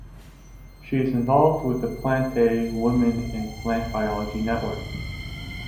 She is involved with the Plantae Women in Plant Biology network.